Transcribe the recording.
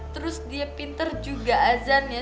terus dia pinter juga azan ya